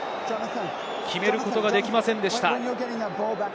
決めることができませんでした。